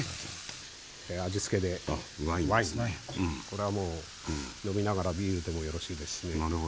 これはもう飲みながらビールでもよろしいですしね。